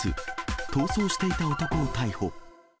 逃走していた男を逮捕。